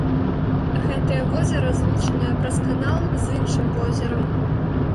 Гэтае возера злучанае праз канал з іншым возерам.